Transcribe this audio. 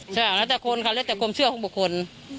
ใช่แล้วแต่คนค่ะแล้วแต่ความเชื่อของบุคคล